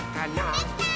できたー！